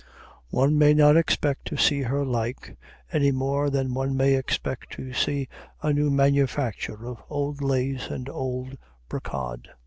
One may not expect to see her like, any more than one may expect to see a new manufacture of old lace and old brocade.